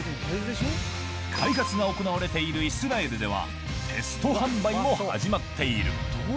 開発が行われているイスラエルでは、テスト販売も始まっている。